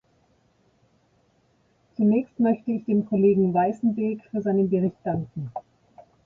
Zunächst möchte ich dem Kollegen Wijsenbeek für seinen Bericht danken.